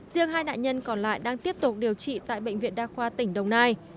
riêng hai nạn nhân còn lại đang tiếp tục điều trị tại bệnh viện đa khoa tỉnh đồng nai